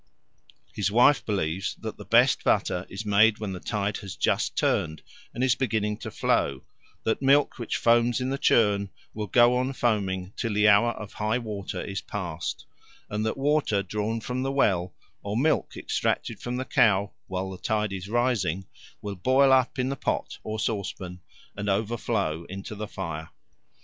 His wife believes that the best butter is made when the tide has just turned and is beginning to flow, that milk which foams in the churn will go on foaming till the hour of high water is past, and that water drawn from the well or milk extracted from the cow while the tide is rising will boil up in the pot or saucepan and overflow into the fire.